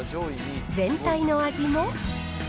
全体の味も。